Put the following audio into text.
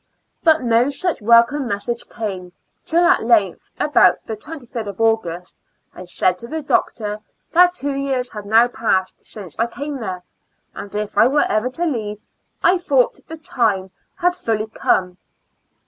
But no such welcome message came, till at length, about the 23 d of August, I said to the doctor that two years had now passed since I came there, and if I were ever to leave, I though the time had fully come.